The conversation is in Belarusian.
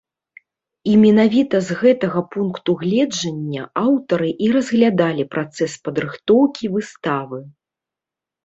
І менавіта з гэтага пункту гледжання аўтары і разглядалі працэс падрыхтоўкі выставы.